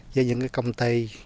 với những cái công ty